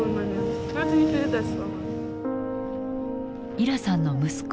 イラさんの息子